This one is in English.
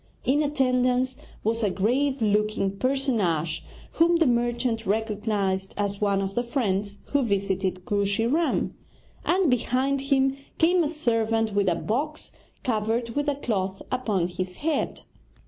In attendance was a grave looking personage whom the merchant recognized as one of the friends who visited Kooshy Ram; and behind him came a servant with a box covered with a cloth upon his head.